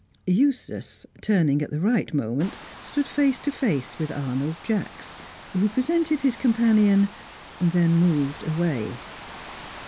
Eustace, turning at the right moment, stood face to face with Arnold Jacks, who presented his companion, then moved away.